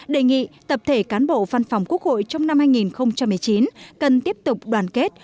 đề nghị tập thể cán bộ văn phòng quốc hội trong năm hai nghìn một mươi chín cần tiếp tục đoàn kết